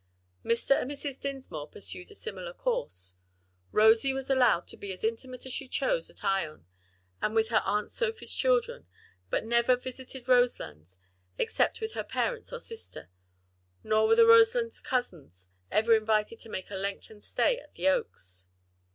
Mr. and Mrs. Dinsmore pursued a similar course; Rosie was allowed to be as intimate as she chose at Ion, and with her Aunt Sophie's children, but never visited Roselands except with her parents or sister; nor were the Roseland cousins ever invited to make a lengthened stay at the Oaks.